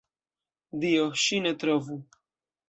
Dio, ŝi ne trovu!